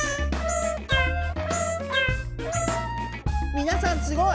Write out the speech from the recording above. みなさんすごい！